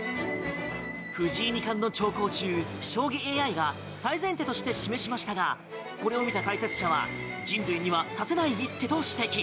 藤井二冠の長考中、将棋ＡＩが最善手として示しましたがこれを見た解説者は人類には指せない一手と指摘。